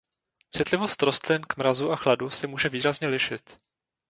Citlivost rostlin k mrazu a chladu se může výrazně lišit.